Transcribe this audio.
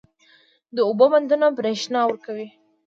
د اوبو بندونه برښنا ورکوي